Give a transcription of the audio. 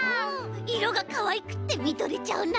いろがかわいくってみとれちゃうな！